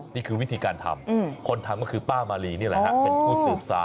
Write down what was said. นี่คือวิธีการทำคนทำก็คือป้ามาลีนี่แหละ